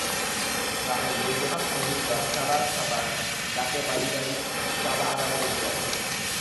গ্রামের বৈদ্যনাথ মজুমদার চাঁদার খাতা গাতে বাড়ি বাড়ি চাঁদা আদায় করিতে আসিলেন।